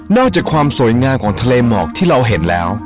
อกจากความสวยงามของทะเลหมอกที่เราเห็นแล้ว